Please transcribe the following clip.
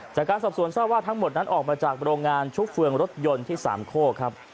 จากการสอบสวนทราบว่าทั้งหมดนั้นออกมาจากโรงงานชุบเฟืองรถยนต์ที่สามโคกครับ